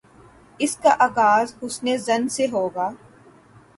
اس کا آغاز حسن ظن سے ہو گا۔